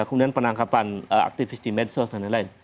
kemudian penangkapan aktivis di medsos dan lain lain